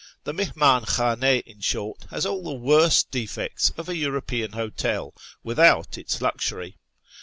The mihmdn hhmU, in short, has all the worst defects of a European hotel without its luxury.